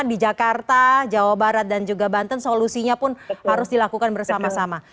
di jakarta jawa barat dan juga banten solusinya pun harus dilakukan bersama sama